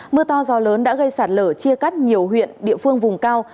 mưa to gió lớn đã gây sạt lở chia cắt nhiều huyện địa phương vùng cao